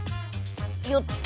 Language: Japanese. よっと！